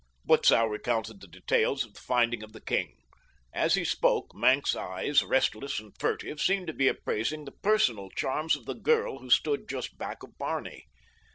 Butzow recounted the details of the finding of the king. As he spoke, Maenck's eyes, restless and furtive, seemed to be appraising the personal charms of the girl who stood just back of Barney.